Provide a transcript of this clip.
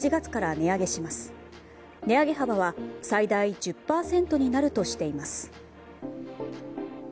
値上げ幅は最大１０％になるとしています。